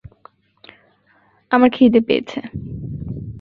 আমার খিদে পেয়েছে।